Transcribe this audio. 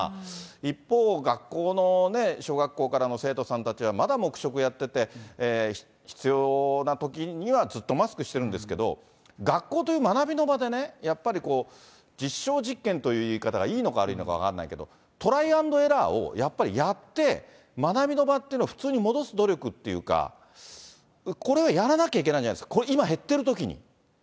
一方、学校の小学校からの生徒さんたちはまだ黙食をやってて、必要なときにはずっとマスクしてるんですけど、学校という学びの場でね、やっぱり実証実験という言い方がいいのか悪いのか分からないけど、トライ＆エラーをやっぱりやって、学びの場っていうのを、普通の場所に戻す努力っていうか、これはやらなきゃいけないんじゃないですか、これ、今減っているときに。